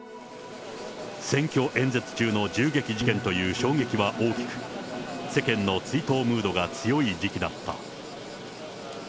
選挙演説中の銃撃事件という衝撃が大きく、世間の追悼ムードが強い時期だった。